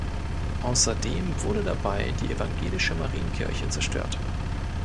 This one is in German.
Außerdem wurde dabei die evangelische Marienkirche zerstört.